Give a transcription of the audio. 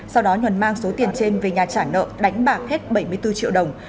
sau đó nhuần mang số tiền trên về nhà trả nợ đánh bạc hết bảy mươi bốn triệu đồng